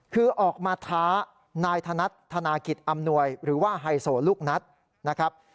คือออกมาท้านายธนัดธนากิจอำนวยหรือว่าไฮโซลูกนัดนะครับ